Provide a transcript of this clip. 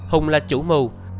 hùng là chủ mưu